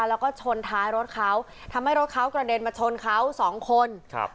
แล้วก็ชนท้ายรถเขาทำให้รถเขากระเด็นมาชนเขาสองคนครับ